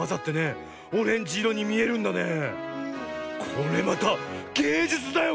これまたげいじゅつだよ